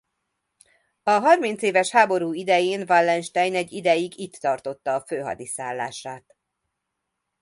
A harmincéves háború idején Wallenstein egy ideig itt tartotta a főhadiszállását.